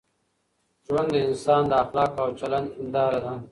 ژوند د انسان د اخلاقو او چلند هنداره ده.